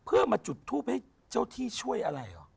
เพื่อมาจุดทูปให้เจ้าที่ช่วยอะไรเหรอ